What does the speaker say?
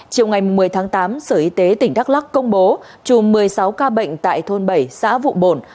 chiều ngày một mươi tháng tám sở y tế tỉnh đắk lắc công bố chùm một mươi sáu ca bệnh tại thôn bảy xã vụ bồn